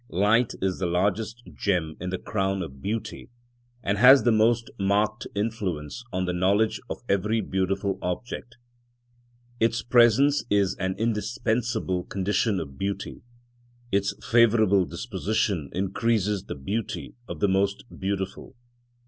Light is the largest gem in the crown of beauty, and has the most marked influence on the knowledge of every beautiful object. Its presence is an indispensable condition of beauty; its favourable disposition increases the beauty of the most beautiful.